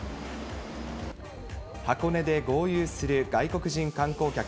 箱根で豪遊する外国人観光客。